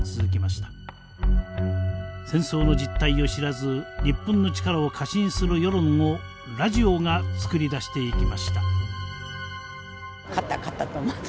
戦争の実態を知らず日本の力を過信する世論をラジオが作り出していきました。